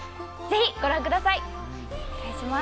ぜひ、ご覧ください！